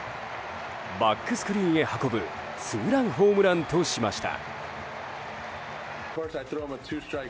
バックスクリーンへ運ぶツーランホームランとしました。